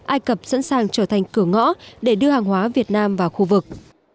ai cập sẵn sàng trở thành cửa ngõ để đưa hàng hóa việt nam vào khu vực